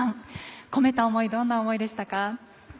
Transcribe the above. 込めた思いはどんな思いですか？